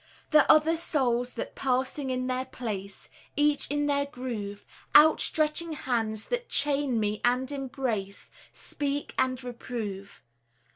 The other souls that, passing in their place, Each in their groove; Out stretching hands that chain me and embrace, Speak and reprove.